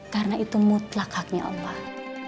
karena itu mutlak haknya allah